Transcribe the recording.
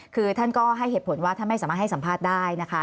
คือท่านก็ให้เหตุผลว่าท่านไม่สามารถให้สัมภาษณ์ได้นะคะ